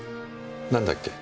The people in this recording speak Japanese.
なんだっけ？